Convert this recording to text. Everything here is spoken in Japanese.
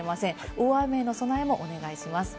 大雨の備えもお願いします。